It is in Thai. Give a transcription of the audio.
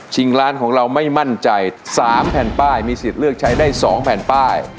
ร้านของเราไม่มั่นใจ๓แผ่นป้ายมีสิทธิ์เลือกใช้ได้๒แผ่นป้าย